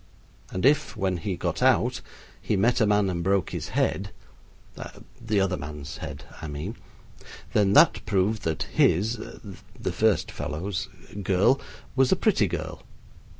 And if, when he got out, he met a man and broke his head the other man's head, I mean then that proved that his the first fellow's girl was a pretty girl.